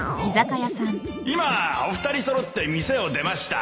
今お二人揃って店を出ました